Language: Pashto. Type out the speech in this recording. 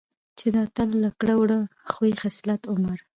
چې د اتل له کړه وړه ،خوي خصلت، عمر،